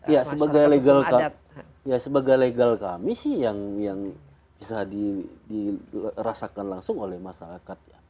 ya sebagai legal kami sih yang bisa dirasakan langsung oleh masyarakat ya